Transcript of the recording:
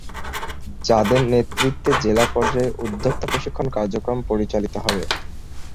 যাদের নেতৃত্বে জেলা পর্যায়ে উদ্যোক্তা প্রশিক্ষণ কার্যক্রম পরিচালিত হবে।